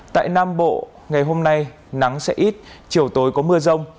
tại nam bộ ngày hôm nay nắng sẽ ít chiều tối có mưa rông